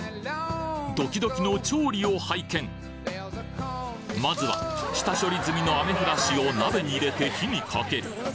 ドキドキのまずは下処理済みのアメフラシを鍋に入れて火にかける。